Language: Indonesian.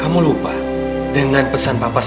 kamu gak perlu bergaul dengan teman yang gak jelas itu